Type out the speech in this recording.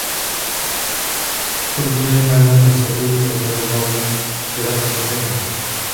Podobné jméno nese i letadlová loď Graf Zeppelin.